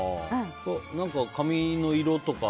何か髪の色とか。